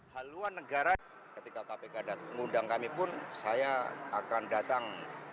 haluan negara ketika kpk mengundang kami pun saya akan datang